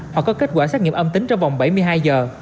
hoặc có kết quả xét nghiệm âm tính trong vòng bảy mươi hai giờ